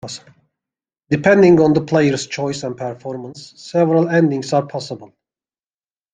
Depending on the player's choices and performance, several endings are possible.